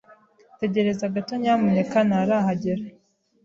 Tegereza gato nyamuneka. Ntarahagera.